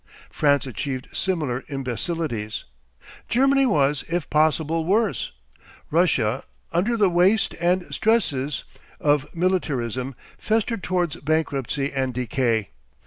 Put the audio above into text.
France achieved similar imbecilities; Germany was, if possible worse; Russia under the waste and stresses of militarism festered towards bankruptcy and decay.